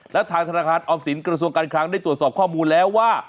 และทางธนาคารออมสินกระทรวงการคลังได้ตรวจสอบข้อมูลแล้วว่า